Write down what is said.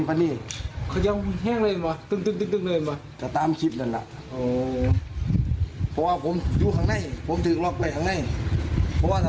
มาตีในบานเข้าน้ำ